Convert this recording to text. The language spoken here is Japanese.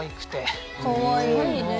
かわいいね。